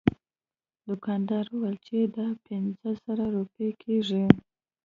دوکاندار وویل چې دا پنځه زره روپۍ کیږي.